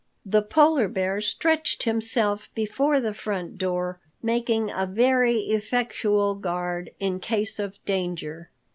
The Polar Bear stretched himself before the front door, making a very effectual guard in case of danger.